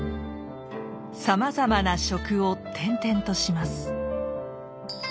「さまざまな職」を転々とします。